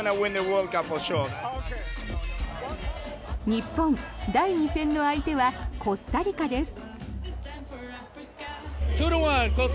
日本、第２戦の相手はコスタリカです。